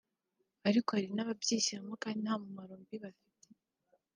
ariko hari n’ababyishyiramo kandi nta mpumuro mbi bafite